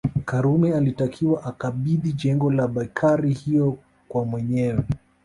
Karume alitakiwa akabidhi jengo la bekari hiyo kwa mwenyewe